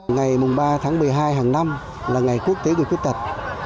ngày ba tháng một mươi hai hàng năm là ngày quốc tế người khuyết tật